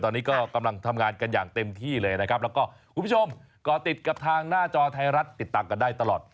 ตอนนี้ก็กำลังทำงานกันอย่างเต็มที่เลยนะครับแล้วก็คุณผู้ชมก่อติดกับทางหน้าจอไทยรัฐติดตามกันได้ตลอด